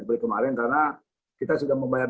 seperti kemarin karena kita sudah membayar